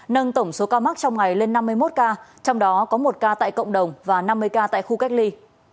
nâng tổng số ca mắc trong ngày lên năm mươi một ca trong đó có một ca tại cộng đồng và năm mươi ca tại khu cách ly